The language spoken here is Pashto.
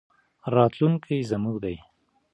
راتلونکی زموږ دی.